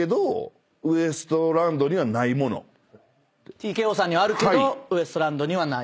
ＴＫＯさんにはあるけどウエストランドにはない。